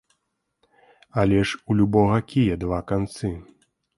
Але ж у любога кія два канцы.